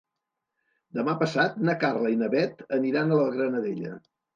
Demà passat na Carla i na Bet aniran a la Granadella.